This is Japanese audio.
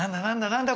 何だ？